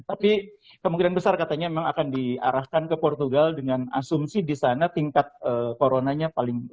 tapi kemungkinan besar katanya akan diarahkan ke portugal dengan asumsi disana tingkat coronanya paling minim